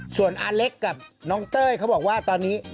ส่วนอาเล็กกับน้องเต้ยเขาบอกว่าตอนนี้